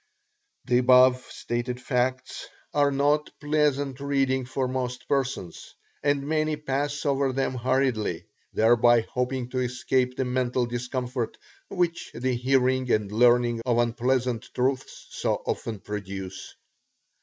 The above stated facts are not pleasant reading for most persons, and many pass over them hurriedly, thereby hoping to escape the mental discomfort which the hearing and learning of unpleasant truths so often produce.